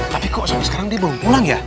tapi kok sampai sekarang dia belum pulang ya